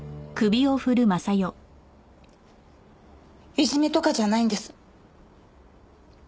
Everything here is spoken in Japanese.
いじめとかじゃないんです。